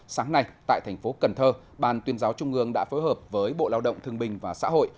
sáng nay tại thành phố cần thơ ban tuyên giáo trung ương đã phối hợp với bộ lao động thương bình và xã hội